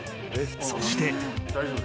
［そして］